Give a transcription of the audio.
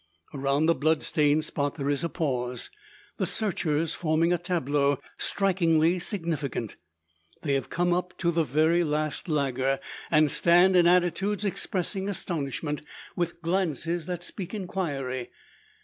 Around the blood stained spot there is a pause; the searchers forming a tableau strikingly significant. They have come up, to the very last lagger; and stand in attitudes expressing astonishment, with glances that speak inquiry.